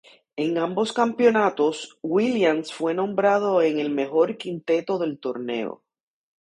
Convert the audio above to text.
En ambos campeonatos, Williams fue nombrado en el Mejor Quinteto del torneo.